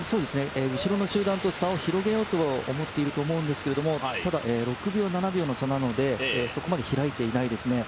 後ろの集団と差を広げようと思ってると思うんですけど、ただ、６秒、７秒の差なのでそこまで開いていないですね。